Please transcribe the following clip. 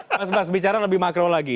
mas bas bicara lebih makro lagi